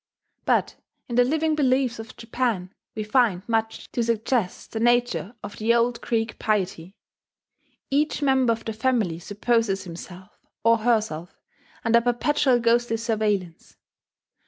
But in the living beliefs of Japan we find much to suggest the nature of the old Greek piety. Each member of the family supposes himself, or herself, under perpetual ghostly surveillance.